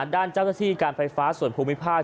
ด้านเจ้าหน้าที่การไฟฟ้าส่วนภูมิภาค